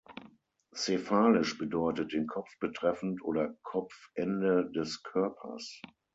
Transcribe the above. Cephalisch bedeutet „den Kopf betreffend“ oder „Kopfende des Körpers“.